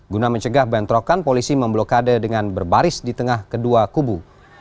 guna mencegah bentrokan polisi memblokade dengan berbaris di tengah kedua kubu